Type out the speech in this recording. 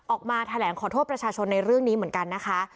ออกมาแถลงขอโทษประชาชนในเรื่องนี้เหมือนกันนะคะ